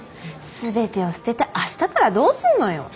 全てを捨てて明日からどうすんのよ。